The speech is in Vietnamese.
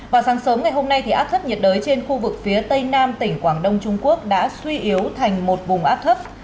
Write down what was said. vào sáng sớm ngày hôm nay áp thấp nhiệt đới trên khu vực phía tây nam tỉnh quảng đông trung quốc đã suy yếu thành một vùng áp thấp